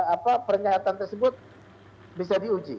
apa pernyataan tersebut bisa diuji